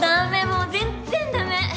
もう全然ダメ！